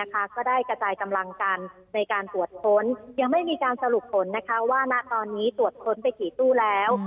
ก็ได้กระจายกำลังกันในการตรวจค้นยังไม่มีการสรุปผลว่าณตอนนี้ตรวจค้นไปกี่ตู้แล้ว